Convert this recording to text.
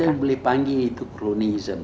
kita boleh panggil itu kronisme